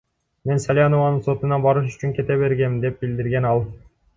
Мен Салянованын сотуна барыш үчүн кете бергем, — деп билдирген ал.